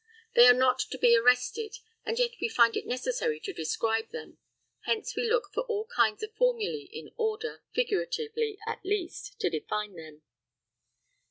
They are not to be arrested, and yet we find it necessary to describe them; hence we look for all kinds of formulæ in order, figuratively at least, to define them.